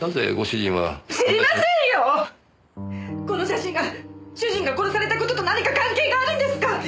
この写真が主人が殺された事と何か関係があるんですか！？